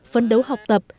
phấn đấu học tập